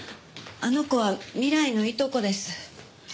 あの子は未来のいとこです。